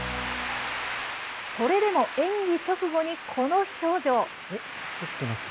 それでも演技直後にこの表情。